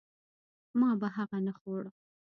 ما به هغه نه خوړ.